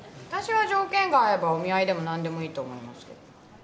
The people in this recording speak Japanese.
私は条件が合えばお見合いでも何でもいいと思いますけど。